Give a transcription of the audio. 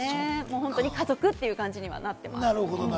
本当に家族という感じにはなってます。